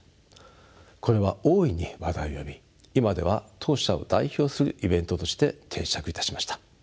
これは大いに話題を呼び今では当社を代表するイベントとして定着いたしました。